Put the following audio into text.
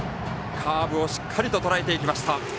カーブをしっかりとらえていきました。